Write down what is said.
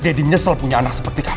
daddy nyesel punya anak seperti kamu